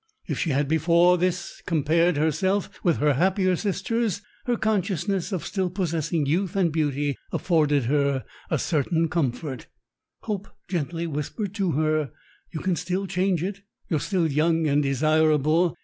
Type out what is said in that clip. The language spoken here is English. If she had before this compared herself with her happier sisters, her consciousness of still possessing youth and beauty afforded her a certain comfort. Hope gently whispered to her: "You can still change it! you are still young and desirable!